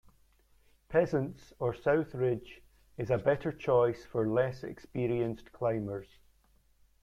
Peasants or South Ridge is a better choice for less experienced climbers.